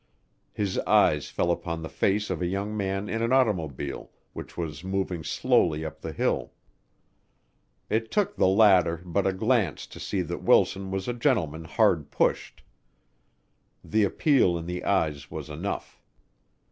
His eyes fell upon the face of a young man in an automobile which was moving slowly up the hill. It took the latter but a glance to see that Wilson was a gentleman hard pushed. The appeal in the eyes was enough.